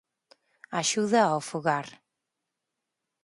Axuda ao fogar.